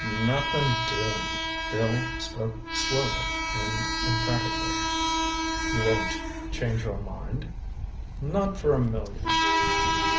"Nothing doing." Bill spoke slowly and emphatically. "You won't—change your mind?" "Not for a million."